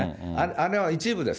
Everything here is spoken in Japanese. あれは一部です。